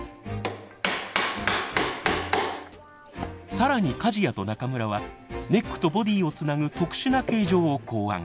更に梶屋と中村はネックとボディをつなぐ特殊な形状を考案。